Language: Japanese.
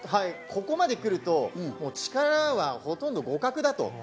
ここまでくると、力はほとんど互角だ。